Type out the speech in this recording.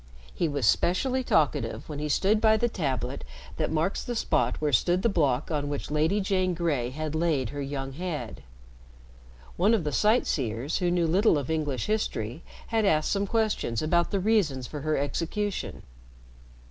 He was specially talkative when he stood by the tablet that marks the spot where stood the block on which Lady Jane Grey had laid her young head. One of the sightseers who knew little of English history had asked some questions about the reasons for her execution.